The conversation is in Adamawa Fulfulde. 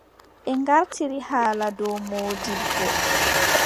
Ɓe ngartiri haala dow moodibbo.